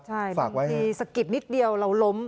ใช่ฝากไว้ให้มีสะกิดนิดเดียวเราล้ม